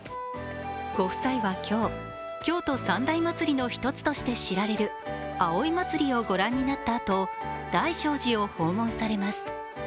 ご夫妻は今日、京都三大祭りの一つとして知られる葵祭をご覧になったあと、大聖寺を訪問されます。